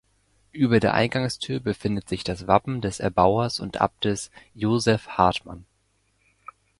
Über der Eingangstür befindet sich das Wappen des Erbauers und Abtes Joseph Hartmann.